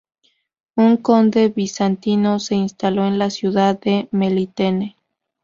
Un conde bizantino se instaló en la ciudad de Melitene.